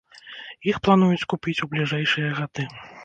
Іх плануюць купіць у бліжэйшыя гады.